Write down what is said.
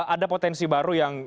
ada potensi baru yang